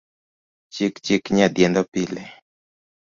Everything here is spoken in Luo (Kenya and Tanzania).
Chik chik nya diendo pile